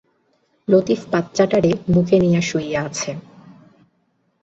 লতিফ বাচ্চাটারে বুকের নিচে নিয়া শুইয়া আছে।